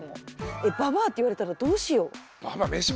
えっババアって言われたらどうしよう。